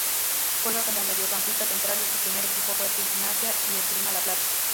Juega como mediocampista central y su primer equipo fue Gimnasia y Esgrima La Plata.